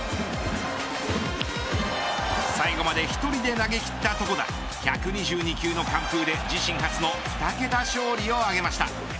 最後まで１人で投げきった床田１２２球の完封で自身初の２桁勝利を挙げました。